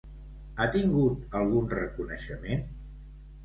Ha tingut algun reconeixement?